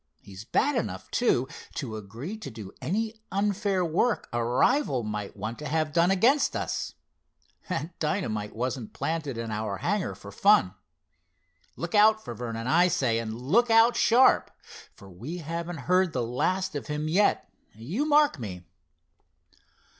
He's bad enough, too, to agree to do any unfair work a rival might want to have done against us. That dynamite wasn't planted in our hangar for fun. Look out for Vernon, I say, and look out sharp, for we haven't heard the last of him yet, you mark me!"